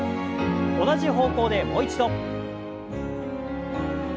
同じ方向でもう一度。